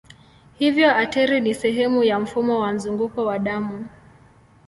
Hivyo ateri ni sehemu ya mfumo wa mzunguko wa damu.